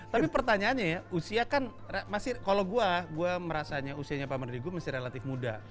tapi pertanyaannya ya usia kan masih kalau gue gue merasanya usianya pak menteri gue masih relatif muda